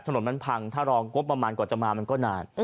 ถนนมันพังถ้ารองงบประมาณกว่าจะมามันก็นาน